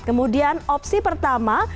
kemudian opsi pertama